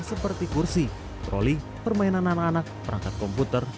seperti kursi troli permainan anak anak perangkat komputer